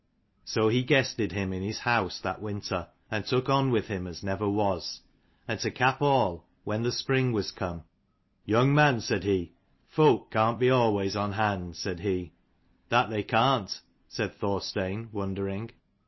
So he guested him in his house that winter, and took on with him as never was. And to cap all, when the spring was come, " Young man," said he, "folk can't be always on hand," said he. "That they can't," said Thorstein wondering.